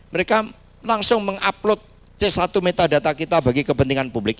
mereka langsung mengupload c satu metadata kita bagi kepentingan publik